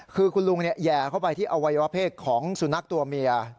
คือคุณลุงแห่เข้าไปที่อวัยวะเพศของสุนัขตัวเมีย